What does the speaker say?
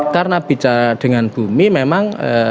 karena bicara dengan bumi memang